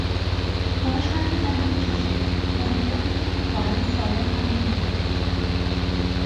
باهاش حرف بزن، ببین چشه؟ تازگیا حتی تو کارای سالن هم نمی آد